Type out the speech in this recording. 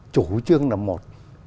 chủ trương là một